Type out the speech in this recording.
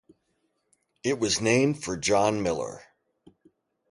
It was named for John Miller.